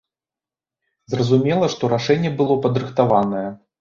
Зразумела, што рашэнне было падрыхтаванае.